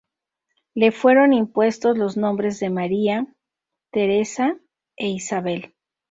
Le fueron impuestos los nombres de María, Teresa e Isabel.